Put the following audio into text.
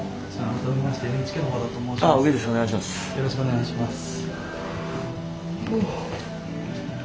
よろしくお願いします。